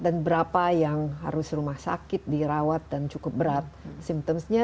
dan berapa yang harus rumah sakit dirawat dan cukup berat simptomnya